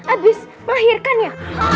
abis melahirkan ya